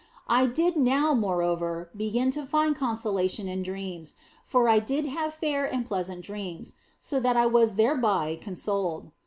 I did now, moreover, begin to find consolation in dreams, for I did have fair and pleasant dreams, so that I was thereby consoled.